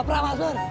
toprak mas pur